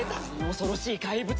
恐ろしい怪物だよ。